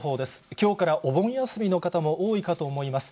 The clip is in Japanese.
きょうからお盆休みの方も多いかと思います。